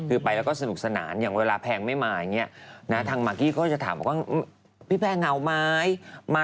เราไปเป็นก้างขวางคอของมากกี้แล้วก็ป๊อกเขาแบบ